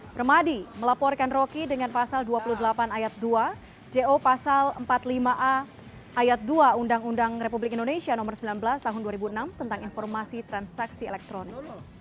permadi melaporkan roky dengan pasal dua puluh delapan ayat dua jo pasal empat puluh lima a ayat dua undang undang republik indonesia nomor sembilan belas tahun dua ribu enam tentang informasi transaksi elektronik